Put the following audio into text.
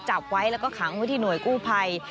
จับไว้แล้วก็ขังไว้ที่หน่วยกู้ภัย